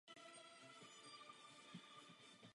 Tento incident oživil hnutí za občanská práva.